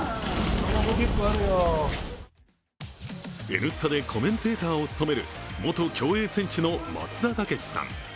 「Ｎスタ」でコメンテーターを務める元競泳選手の松田丈志さん。